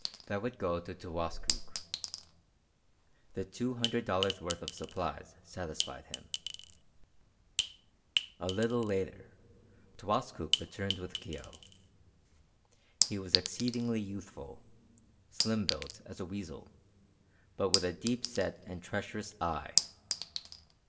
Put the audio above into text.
That would go to Towaskook. The two hundred dollars' worth of supplies satisfied him. A little later Towaskook returned with Kio. He was exceedingly youthful, slim built as a weazel, but with a deep set and treacherous eye.